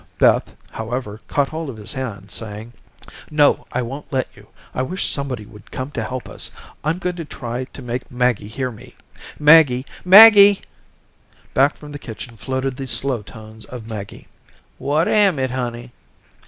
Beth, however, caught hold of his hand, saying: "No, I won't let you. I wish somebody would come to help us. I'm going to try to make Maggie hear me. Maggie. Maggie." Back from the kitchen floated the slow tones of Maggie. "What am it, honey?"